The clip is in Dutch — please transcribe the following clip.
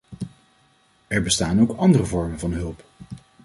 Er bestaan ook andere vormen van hulp.